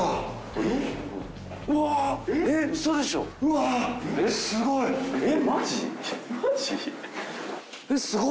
えっすごっ。